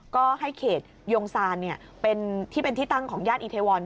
ก็ให้เขตยงซานที่เป็นที่ตั้งของย่านอีเทวอน